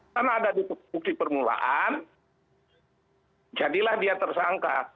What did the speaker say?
karena ada bukti permulaan jadilah dia tersangka